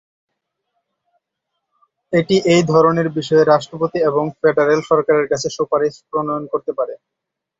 এটি এই ধরনের বিষয়ে রাষ্ট্রপতি এবং ফেডারেল সরকারের কাছে সুপারিশ প্রণয়ন করতে পারে।